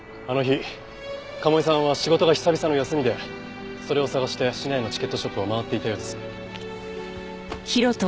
あの日賀茂井さんは仕事が久々の休みでそれを探して市内のチケットショップを回っていたようです。